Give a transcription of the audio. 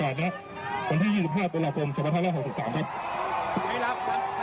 ให้รับให้รับ